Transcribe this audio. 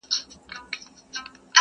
يوازيتوب ريشا په ډک ښار کي يوازي کړمه ,